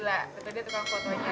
jalanannya macet banget